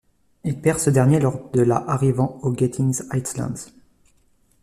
Il perd ce dernier lors de la arrivant aux Genting Highlands.